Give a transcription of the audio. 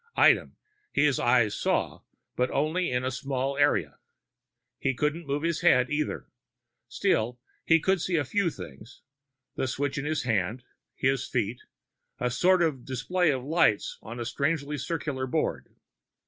Item: his eyes saw, but only in a small area. He couldn't move his head, either. Still, he could see a few things. The switch in his hand, his feet, a sort of display of lights on a strangely circular board.